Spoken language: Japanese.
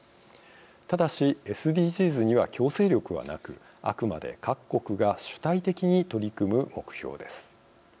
ただし、ＳＤＧｓには強制力はなく、あくまで各国が主体的に取り組む目標です。